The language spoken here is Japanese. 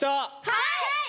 はい！